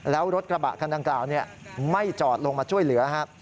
แล้วรถกระบะคันดังกล่าวไม่จอดลงมาช่วยเหลือครับ